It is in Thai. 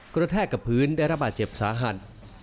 กระแทกกับพื้นได้รับบาดเจ็บสาหัส